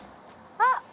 あっ！